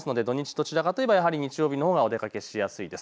どちらかといえば日曜日のほうがお出かけしやすいです。